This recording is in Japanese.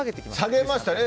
下げました。